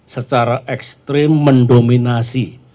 secara ekstrim mendominasi